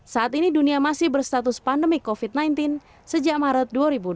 saat ini dunia masih berstatus pandemi covid sembilan belas sejak maret dua ribu dua puluh